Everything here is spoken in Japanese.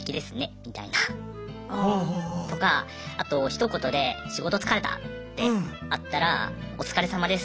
みたいなとかあとひと言で「仕事疲れた」ってあったら「お疲れ様です。